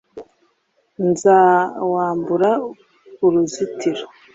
nzawambura uruzitiro